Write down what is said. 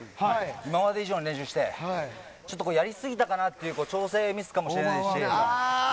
今まで以上に練習してやり過ぎたかなって調整ミスかもしれないし。